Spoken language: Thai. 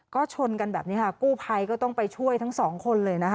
ก็ชนกันแบบนี้ค่ะกู้ภัยก็ต้องไปช่วยทั้งสองคนเลยนะคะ